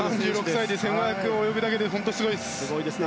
３６歳で１５００を泳ぐだけですごいですね。